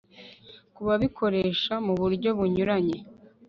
ku babikoresha mu buryo bunyuranye